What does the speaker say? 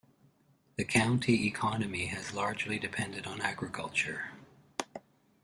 The county economy has largely depended on agriculture.